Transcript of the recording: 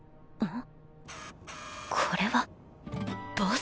ん？